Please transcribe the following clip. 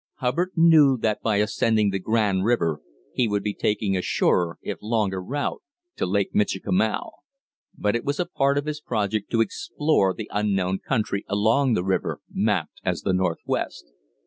Hubbard knew that by ascending the Grand River he would be taking a surer, if longer, route to Lake Michikamau; but it was a part of his project to explore the unknown country along the river mapped as the Northwest.